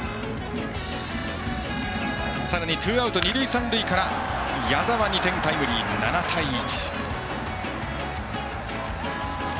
さらにツーアウト、二塁三塁から矢澤が２点タイムリーで７対１。